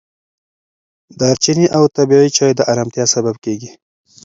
دارچیني او طبیعي چای د ارامتیا سبب کېږي.